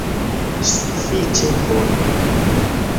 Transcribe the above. Sufiĉe bone